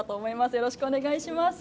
よろしくお願いします。